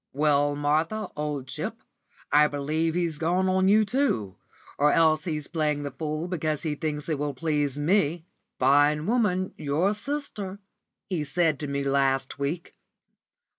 Well, Martha, old chip, I believe he's gone on you, too, or else he's playing the fool because he thinks it will please me. 'Fine woman, your sister,' he said to me last week.